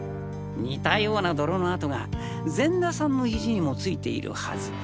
似たような泥の跡が善田さんのヒジにも付いているはず。